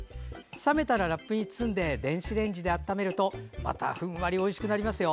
冷めたらラップに包んで電子レンジで温めるとまたふんわりおいしくなりますよ。